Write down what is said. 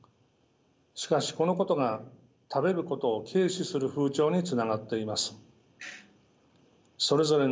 しかしこのことが食べることを軽視する風潮につながっています。